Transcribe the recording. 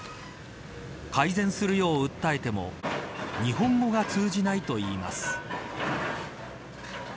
改善するよう訴えても日本語が通じないといいます。